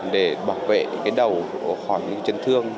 để bảo vệ cái đầu khỏi những chân thương